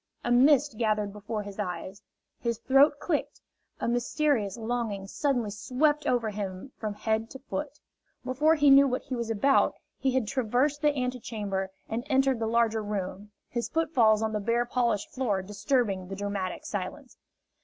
A mist gathered before his eyes, his throat clicked, a mysterious longing suddenly swept over him from head to foot. Before he knew what he was about he had traversed the antechamber and entered the larger room, his footfalls on the bare polished floor disturbing the dramatic silence.